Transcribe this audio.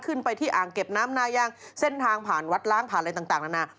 ไปที่อ่างเก็บน้ำนายางเส้นทางผ่านวัดล้างผ่านอะไรต่างนานา